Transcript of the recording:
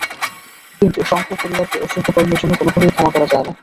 কিন্তু সংঘ পরিবারকে অশুভ কর্মের জন্য কোনোভাবেই ক্ষমা করা যায় না।